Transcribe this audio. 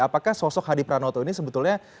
apakah sosok hadi pranoto ini sebetulnya